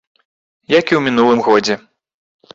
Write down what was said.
Як і ў мінулым годзе.